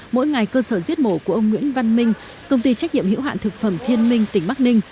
mỗi ngày cơ sở giết mổ của ông nguyễn văn minh công ty trách nhiệm hữu hạn thực phẩm thiên minh tỉnh bắc ninh